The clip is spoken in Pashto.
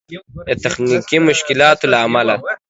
د تخنيکي مشکلاتو له امله